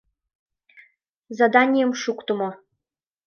— Заданийым шуктымо.